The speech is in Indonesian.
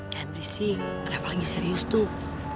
jangan berisik reva lagi serius tuh